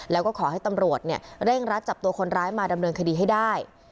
แล้วก็ขอให้ตำรวจเร่งรัดจับตัวคนร้ายมาดำเนินคดีให้ได้